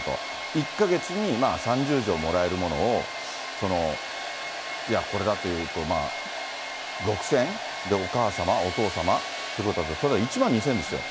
１か月に３０錠もらえるものを、これだというと、まあ６０００、お母様、お父様、ということはそれは１万２０００ですよ。